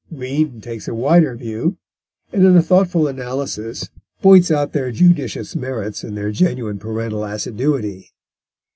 Green takes a wider view, and in a thoughtful analysis points out their judicious merits and their genuine parental assiduity.